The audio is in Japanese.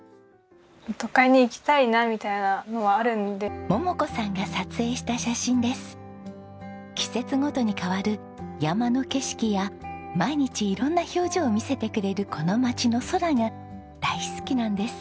都会に行きたいなみたいなのはあるんですけど季節ごとに変わる山の景色や毎日色んな表情を見せてくれるこの町の空が大好きなんです。